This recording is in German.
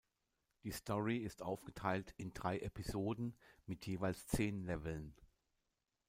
Die Story ist aufgeteilt in drei Episoden mit jeweils zehn Leveln.